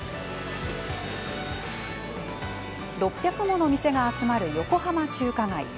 ６００もの店が集まる横浜中華街。